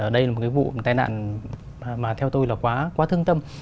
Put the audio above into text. đây là một cái vụ tai nạn mà theo tôi là quá quá thương tâm